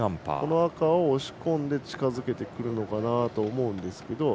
赤を押し込んで近づけてくるのかなと思うんですけど